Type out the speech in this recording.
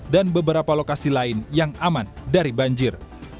dan beberapa lokasi lain yang aman dari banjir